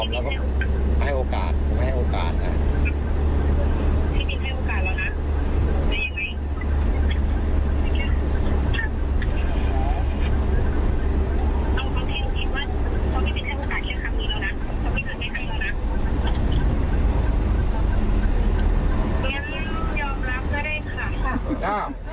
แล้วไปบังคับเขา